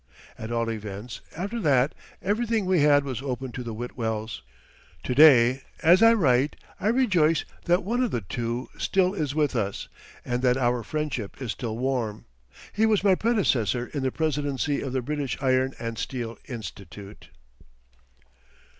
At all events, after that everything we had was open to the Whitwells. [To day, as I write, I rejoice that one of the two still is with us and that our friendship is still warm. He was my predecessor in the presidency of the British Iron and Steel Institute.